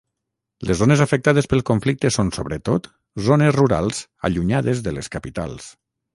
Les zones afectades pel conflicte són sobretot zones rurals allunyades de les capitals.